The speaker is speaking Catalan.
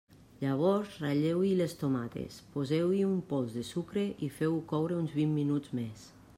Llavors ratlleu-hi les tomates, poseu-hi un pols de sucre i feu-ho coure uns vint minuts més.